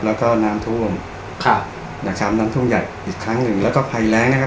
แล้วก็น้ำท่วมครับนะครับน้ำท่วมใหญ่อีกครั้งหนึ่งแล้วก็ภัยแรงนะครับ